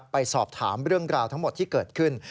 ไปสอบถามเรื่องราวทั้งหมดที่เกิดขึ้น